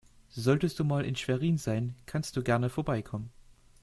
Solltest du mal in Schwerin sein, kannst du gerne vorbeikommen.